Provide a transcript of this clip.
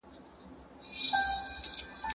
¬ پر او خور چي دي لوى کړی وي، غاښ ئې مه گوره.